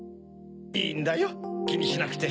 いいんだよきにしなくて。